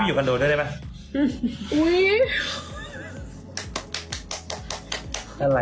หนูก็ตามจากพี่เก่งไง